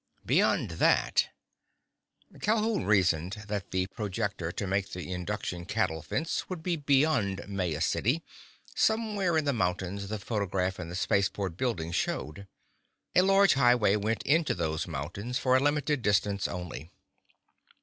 Beyond that— Calhoun reasoned that the projector to make the induction cattle fence would be beyond Maya City, somewhere in the mountains the photograph in the spaceport building showed. A large highway went into those mountains for a limited distance only.